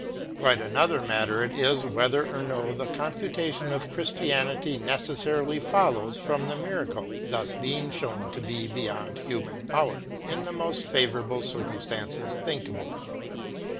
Quite another matter it is whether or no the confutation of Christianity necessarily BEYOND HUMAN POWER 117 follows from the miracle thus being shown to be beyond human power in the most favorable circum stances thinkable.